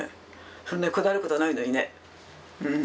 そんなにこだわることないのにね。